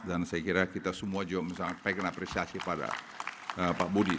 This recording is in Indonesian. dan saya kira kita semua juga sangat baik dan apresiasi pada pak budi